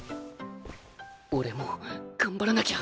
俺も頑張らなきゃ